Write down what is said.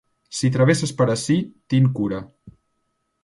Si travesses per ací, tin cura.